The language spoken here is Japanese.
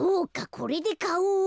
これでかおを。